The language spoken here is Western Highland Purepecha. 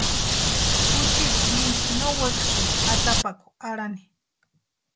Juchiti mimi no wekasïnti atapakwa arhani.